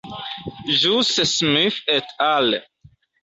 Ĵuse Smith et al.